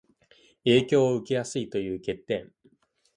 影響を受けやすいという欠点